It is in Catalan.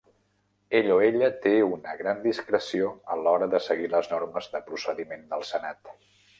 Ell o ella té una gran discreció a l'hora de seguir les normes de procediment del senat.